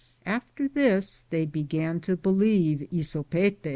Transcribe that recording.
After this they began to believe Tsopete.